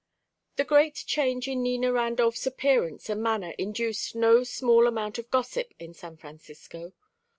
II The great change in Nina Randolph's appearance and manner induced no small amount of gossip in San Francisco.